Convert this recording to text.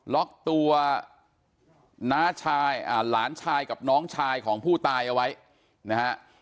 ล็อกตัวน้าชายหลานชายกับน้องชายของผู้ตายเอาไว้นะฮะ